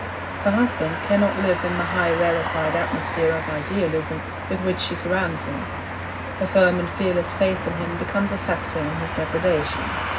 Her husband cannot live in the high rarefied atmosphere of idealism with which she surrounds him; her firm and fearless faith in him becomes a factor in his degradation.